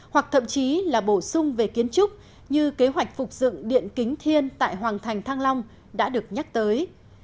hoặc thậm chí là bổ sung về kiến trúc như kế hoạch phục dựng điện kính thiên tại hoàng thành thăng long đã được nhắc tới